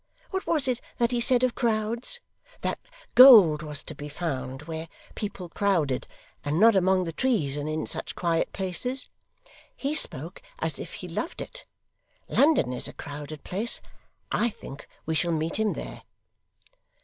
What was it that he said of crowds? That gold was to be found where people crowded, and not among the trees and in such quiet places? He spoke as if he loved it; London is a crowded place; I think we shall meet him there.